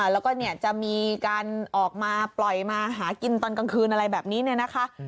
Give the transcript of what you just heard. แล้วก็จะมีการออกมาปล่อยมาหากินตอนกลางคืนอะไรแบบนี้เนี่ยนะคะ